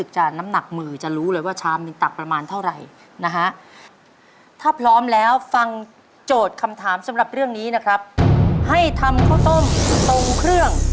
จะทำในตักประมาณเท่าไหร่นะฮะถ้าพร้อมแล้วฟังโจทย์คำถามสำหรับเรื่องนี้นะครับให้ทำข้าวต้มตรงเครื่อง